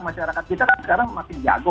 masyarakat kita kan sekarang makin jago